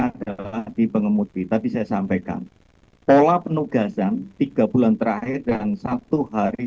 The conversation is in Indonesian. adalah di pengemudi tapi saya sampaikan pola penugasan tiga bulan terakhir dan satu hari